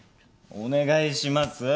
お願いします。